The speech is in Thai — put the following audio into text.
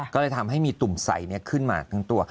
ก็เลยทำให้มีตุ่มใสขึ้นมาทั้งตัว